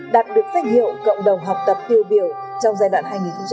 đạt được danh hiệu cộng đồng học tập tiêu biểu trong giai đoạn hai nghìn một mươi chín hai nghìn hai mươi